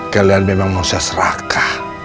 kalian memang mau seseraka